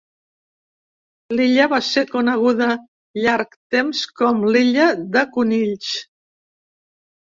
L'illa va ser coneguda llarg temps com l'Illa de Conills.